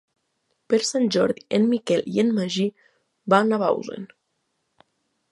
Per Sant Jordi en Miquel i en Magí van a Bausen.